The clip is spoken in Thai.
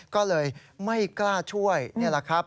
ก็เลยไม่กล้าช่วยนี่แหละครับ